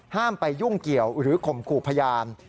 ไปยุ่งเกี่ยวหรือข่มขู่พยาน